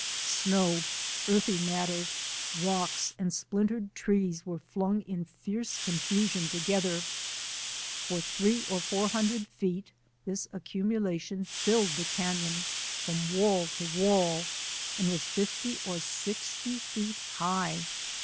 Snow, earthy matter, rocks, and splintered trees were flung in fierce confusion together. For three or four hundred feet this accumulation filled the canon from wall to wall and was fifty or sixty feel high.